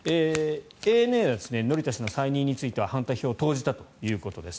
ＡＮＡは乗田氏の再任については反対票を投じたということです。